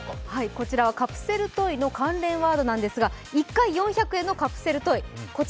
こちらはカプセルトイの関連ワードなんですが、１回４００円のカプセルトイ